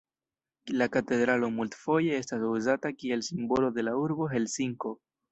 La katedralo multfoje estas uzata kiel simbolo de la urbo Helsinko.